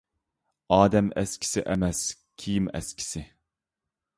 ئادەم ئەسكىسى ئەمەس، كىيىم ئەسكىسى.